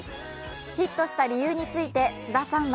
ヒットした理由について、菅田さんは